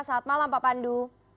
selamat malam pak pandu